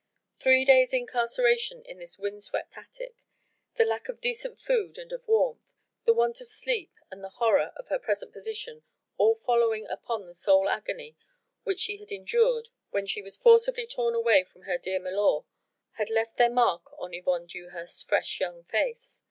Three days' incarceration in this wind swept attic, the lack of decent food and of warmth, the want of sleep and the horror of her present position all following upon the soul agony which she had endured when she was forcibly torn away from her dear milor, had left their mark on Yvonne Dewhurst's fresh young face.